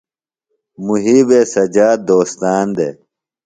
محیبے سجاد دوستان دےۡ۔